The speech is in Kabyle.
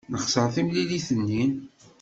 Nexṣer timlilit-nni.